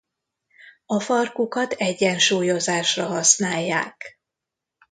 A farkukat egyensúlyozásra használják.